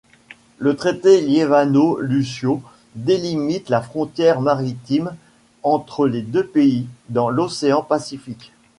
Le traité Liévano–Lucio délimite la frontière maritime entre les deux pays dans l'océan Pacifique.